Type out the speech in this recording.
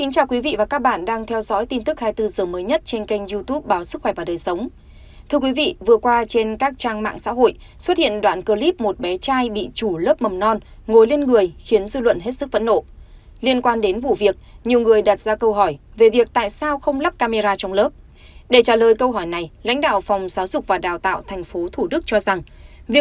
các bạn hãy đăng ký kênh để ủng hộ kênh của chúng mình nhé